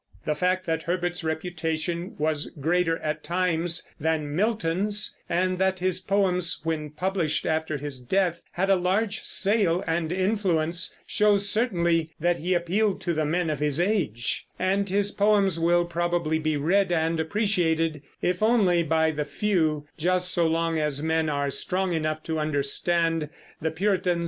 The fact that Herbert's reputation was greater, at times, than Milton's, and that his poems when published after his death had a large sale and influence, shows certainly that he appealed to the men of his age; and his poems will probably be read and appreciated, if only by the few, just so long as men are strong enough to understand the Puritan's spiritual convictions.